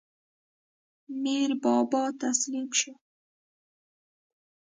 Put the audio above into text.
میربابا تسلیم شو.